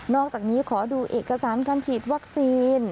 อกจากนี้ขอดูเอกสารการฉีดวัคซีน